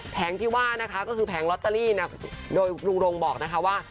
ที่ว่านะคะก็คือแผงลอตเตอรี่โดยลุงรงบอกนะคะว่า